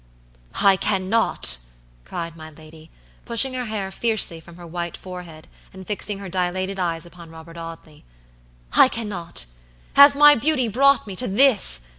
"I cannot!" cried my lady, pushing her hair fiercely from her white forehead, and fixing her dilated eyes upon Robert Audley, "I cannot! Has my beauty brought me to this?